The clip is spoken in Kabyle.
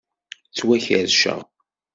Ttwakerrceɣ.